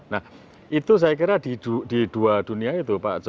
nah itu saya kira di dua dunia itu pak jokowi